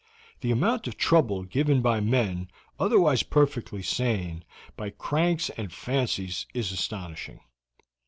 The amount of trouble given by men, otherwise perfectly sane, by cranks and fancies is astonishing.